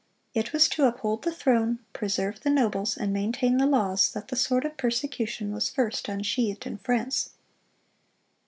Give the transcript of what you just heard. "It was to uphold the throne, preserve the nobles, and maintain the laws, that the sword of persecution was first unsheathed in France."